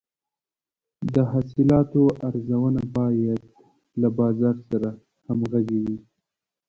د حاصلاتو ارزونه باید له بازار سره همغږې وي.